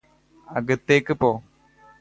അകത്തേക്ക് പോ